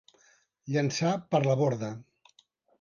Llançar per la borda.